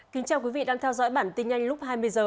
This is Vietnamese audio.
kính chào quý vị đang theo dõi bản tin nhanh lúc hai mươi h